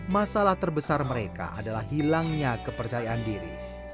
masalah terbesar mereka adalah hilangnya kepercayaan diri